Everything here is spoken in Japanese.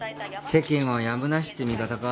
世間はやむなしって見方か。